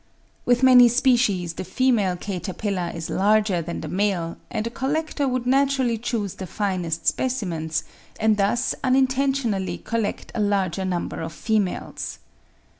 With many species the female caterpillar is larger than the male, and a collector would naturally choose the finest specimens, and thus unintentionally collect a larger number of females.